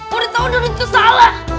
kok di tau dulu tuh salah